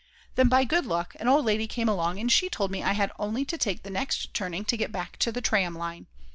Then by good luck an old lady came along, and she told me I had only to take the next turning to get back to the tram line.